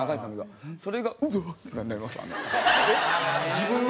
自分の？